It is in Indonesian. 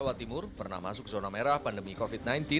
jawa timur pernah masuk zona merah pandemi covid sembilan belas